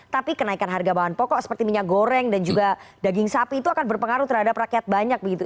tapi kenaikan harga bahan pokok seperti minyak goreng dan juga daging sapi itu akan berpengaruh terhadap rakyat banyak begitu